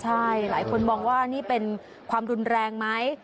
ใช่หลายคนมองว่านี่เป็นความรุนแรงไหม